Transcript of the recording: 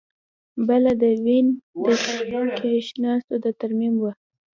بله د وین د کښتیو د ترمیم وه